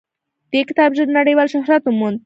دې کتاب ژر نړیوال شهرت وموند.